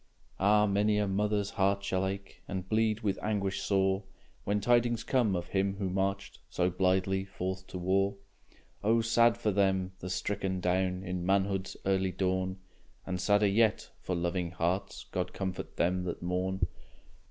Ah! many a mother's heart shall ache, And bleed with anguish sore, When tidings come of him who marched So blithely forth to war. Oh! sad for them, the stricken down In manhood's early dawn, And sadder yet for loving hearts. God comfort them that mourn!